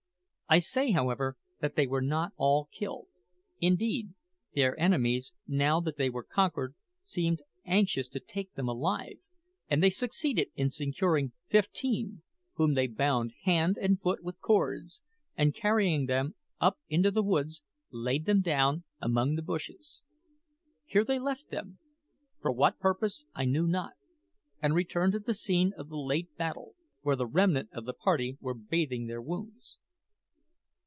I saw, however, that they were not all killed. Indeed, their enemies, now that they were conquered, seemed anxious to take them alive; and they succeeded in securing fifteen, whom they bound hand and foot with cords, and carrying them up into the woods, laid them down among the bushes. Here they left them, for what purpose I knew not, and returned to the scene of the late battle, where the remnant of the party were bathing their wounds.